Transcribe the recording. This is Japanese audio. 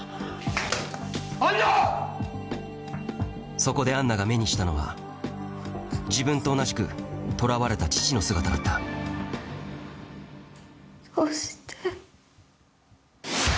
そこでアンナが目にしたのは自分と同じく捕らわれた父の姿だったどうして。